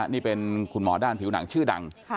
นี่เป็นคุณหมอด้านผิวหนังชื่อดัง